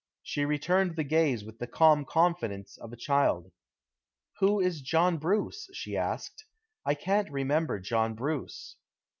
She returned the gaze with the calm confidence of a child. "Who is John Bruce?" she asked. "I can't remember John Bruce."